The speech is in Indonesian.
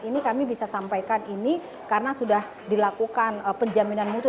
ini kami bisa sampaikan ini karena sudah dilakukan penjaminan mutu